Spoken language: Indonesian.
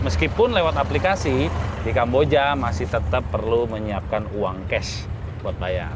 meskipun lewat aplikasi di kamboja masih tetap perlu menyiapkan uang cash buat bayar